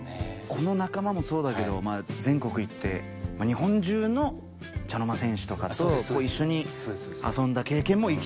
この仲間もそうだけど全国行って日本中の茶の間戦士とかと一緒に遊んだ経験も生きてると。